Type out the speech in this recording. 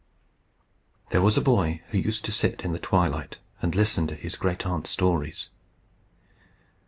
There was a boy who used to sit in the twilight and listen to his great aunt's stories.